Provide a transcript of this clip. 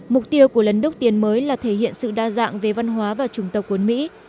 mục tiêu của lần đúc tiền mới là thể hiện sự đa dạng về văn hóa và trùng tộc của mỹ